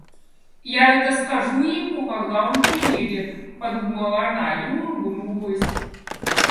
Я это скажу ему, когда он приедет, — подумала она и улыбнулась.